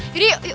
jadi yuk yuk